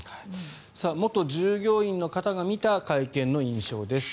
元従業員の方が見た会見の印象です。